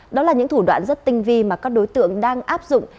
đó là những thủ đoạn rất tinh vi mà các đối tượng đang áp dụng